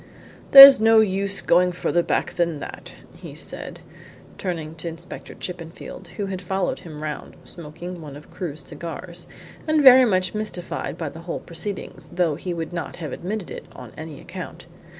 "There's no use going further back than that," he said, turning to Inspector Chippenfield, who had followed him round, smoking one of Crewe's cigars, and very much mystified by the whole proceedings, though he would not have admitted it on any account.